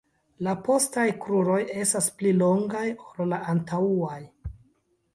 La postaj kruroj estas pli longaj ol la antaŭaj.